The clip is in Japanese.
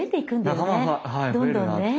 どんどんね。